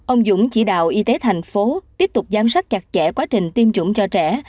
ông dũng chỉ đạo y tế thành phố tiếp tục giám sát chặt chẽ quá trình tiêm chủng cho trẻ